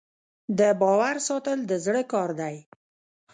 د باور ساتل د زړه کار دی.